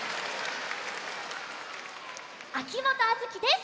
秋元杏月です。